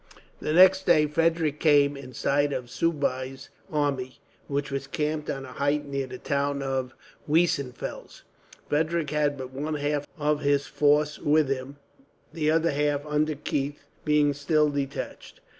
The next day Frederick came in sight of Soubise's army, which was camped on a height near the town of Weissenfels. Frederick had but one half of his force with him, the other half, under Keith, being still detached.